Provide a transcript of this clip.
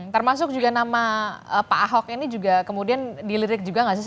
termasuk juga nama pak ahok ini juga kemudian dilirik juga nggak sih